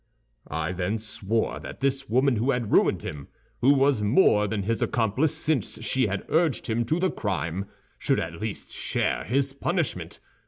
"I then swore that this woman who had ruined him, who was more than his accomplice, since she had urged him to the crime, should at least share his punishment.